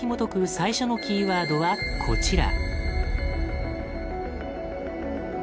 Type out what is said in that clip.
最初のキーワードはこちら。